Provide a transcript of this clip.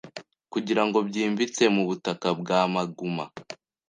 Kugirango byimbitse mubutaka bwamaguma